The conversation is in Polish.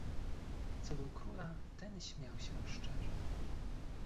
"Co do króla, ten śmiał się szczerze."